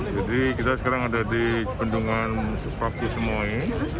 jadi kita sekarang ada di bendungan sepaku semoy